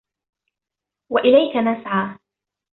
وَإِلَيْك نَسْعَى